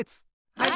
はい。